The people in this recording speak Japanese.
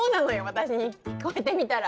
私に聞こえてみたら。